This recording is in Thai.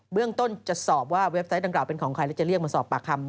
เรื่องต้นจะสอบว่าเว็บไซต์ดังกล่าเป็นของใครแล้วจะเรียกมาสอบปากคำ